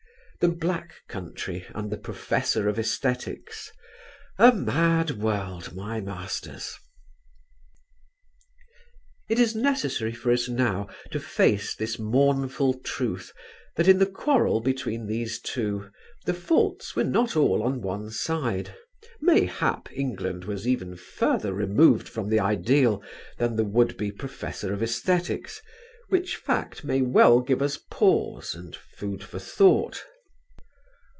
the "Black Country" and "the professor of æsthetics" a mad world, my masters! It is necessary for us now to face this mournful truth that in the quarrel between these two the faults were not all on one side, mayhap England was even further removed from the ideal than the would be professor of æsthetics, which fact may well give us pause and food for thought.